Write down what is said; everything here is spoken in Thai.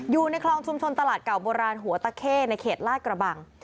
อยู่ในคลองชุมชนตลาดเก่าโบราณหัวตะเข้ในเขตลาดกระบัง